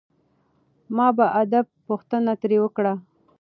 ما په ادب پوښتنه ترې وکړه.